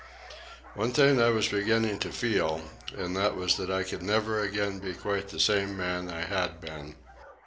One thing I was beginning to feel, and that was that I could never again be quite the same man I had been.